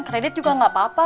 kredit juga nggak apa apa